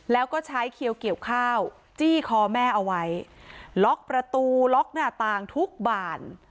แล้วก็ใช้เขียวเกี่ยวข้าวจี้คอแม่เอาไว้ล็อกประตูล็อกหน้าต่างทุกบ่าน